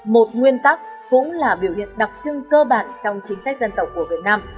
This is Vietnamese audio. một nguyên tắc cũng là biểu hiện đặc trưng cơ bản trong chính sách dân tộc của việt nam